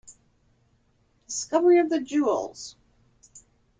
Discovery of the jewels!